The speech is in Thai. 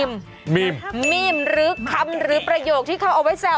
คุณติเล่าเรื่องนี้ให้ฮะ